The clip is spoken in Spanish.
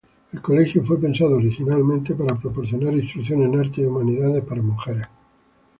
El Colegio fue pensado originalmente para proporcionar instrucción en artes y humanidades para mujeres.